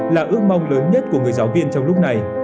là ước mong lớn nhất của người giáo viên trong lúc này